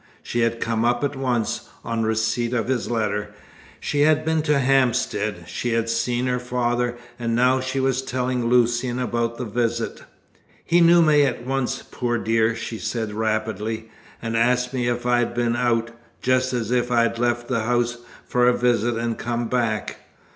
She had come up at once on receipt of his letter; she had been to Hampstead, she had seen her father, and now she was telling Lucian about the visit. "He knew me at once, poor dear," she said rapidly, "and asked me if I had been out, just as if I'd left the house for a visit and come back.